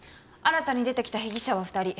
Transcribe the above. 新たに出てきた被疑者は２人。